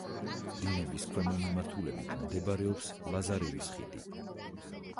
დინების ქვემო მიმართულებით მდებარეობს ლაზარევის ხიდი.